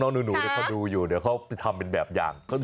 น้องหนูเขาดูอยู่ข้างไกลอะ